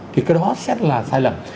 thì cái đó sẽ là sai lầm